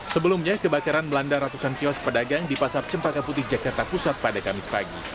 sebelumnya kebakaran melanda ratusan kios pedagang di pasar cempaka putih jakarta pusat pada kamis pagi